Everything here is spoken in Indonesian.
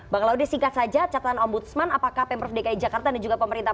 bang laude singkat saja catatan ombudsman apakah pemprov dki jakarta dan juga pemerintah